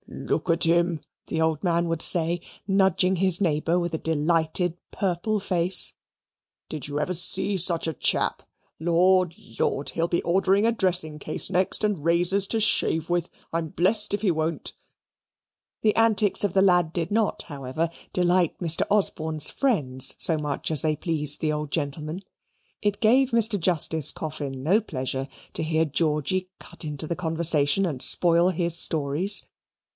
"Look at him," the old man would say, nudging his neighbour with a delighted purple face, "did you ever see such a chap? Lord, Lord! he'll be ordering a dressing case next, and razors to shave with; I'm blessed if he won't." The antics of the lad did not, however, delight Mr. Osborne's friends so much as they pleased the old gentleman. It gave Mr. Justice Coffin no pleasure to hear Georgy cut into the conversation and spoil his stories.